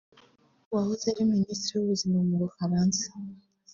wahoze ari Minisitiri w’Ubuzima mu Bufaransa